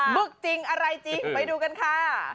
ึกจริงอะไรจริงไปดูกันค่ะ